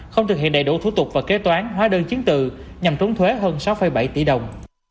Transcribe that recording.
không thực hiện đầy đủ thủ tục và kế toán hóa đơn chứng từ nhằm trốn thuế hơn sáu bảy tỷ đồng